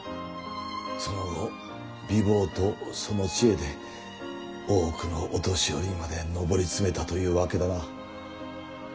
その後美貌とその知恵で大奥の御年寄まで上り詰めたというわけだな。